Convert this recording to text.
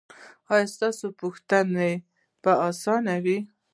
ایا ستاسو پوښتنه به اسانه وي؟